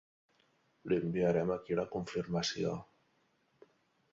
Li enviarem aquí la confirmació.